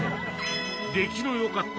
出来のよかった